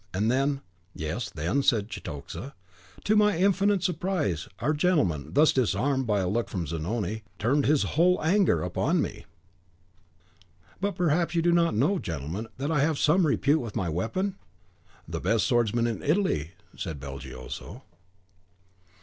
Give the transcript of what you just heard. And then " "Yes, then," said Cetoxa, "to my infinite surprise, our gentleman, thus disarmed by a look from Zanoni, turned his whole anger upon me, THE but perhaps you do not know, gentlemen, that I have some repute with my weapon?" "The best swordsman in Italy," said Belgioso.